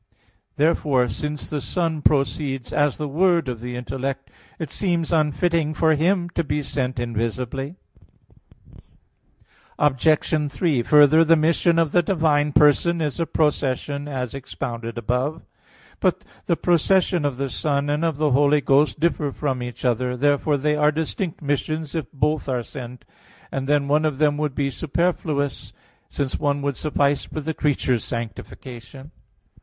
Therefore, since the Son proceeds as the word of the intellect, it seems unfitting for Him to be sent invisibly. Obj. 3: Further, the mission of the divine person is a procession, as expounded above (AA. 1, 4). But the procession of the Son and of the Holy Ghost differ from each other. Therefore they are distinct missions if both are sent; and then one of them would be superfluous, since one would suffice for the creature's sanctification.